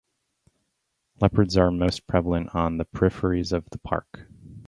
Leopards are most prevalent on the peripheries of the park.